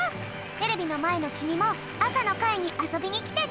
テレビのまえのきみもあさのかいにあそびにきてね！